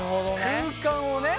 空間をね。